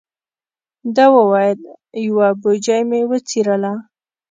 ده و ویل: یوه بوجۍ مې وڅیرله.